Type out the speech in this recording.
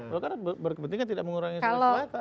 golkar berkepentingan tidak mengurangi sulawesi selatan